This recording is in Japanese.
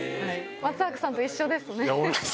松坂さんと一緒ですね。